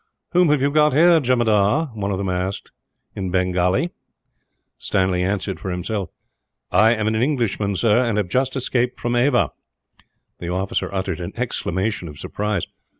"Whom have you got here, jemadar?" one of them asked, in Bengalee. Stanley answered for himself. "I am an Englishman, sir, and have just escaped from Ava." The officer uttered an exclamation of surprise.